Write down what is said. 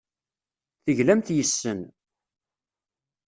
Teglamt yes-sen.